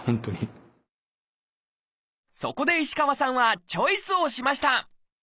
そこで石川さんはチョイスをしました！